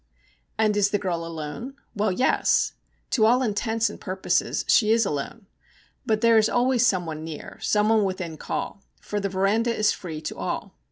And is the girl alone? Well, yes. To all intents and purposes she is alone; but there is always someone near, someone within call, for the veranda is free to all.